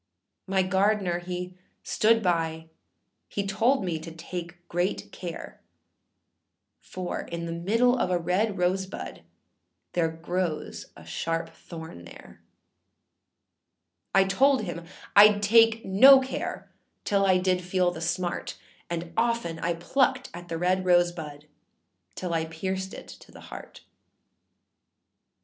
My gardener he stood by, he told me to take great care, For in the middle of a red rose bud there grows a sharp thorn there; I told him Iâd take no care till I did feel the smart, And often I plucked at the red rose bud till I pierced it to the heart.